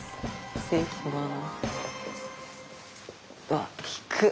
失礼します。